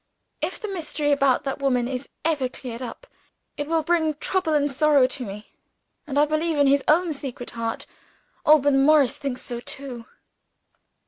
"If the mystery about that woman is ever cleared up, it will bring trouble and sorrow to me and I believe, in his own secret heart, Alban Morris thinks so too."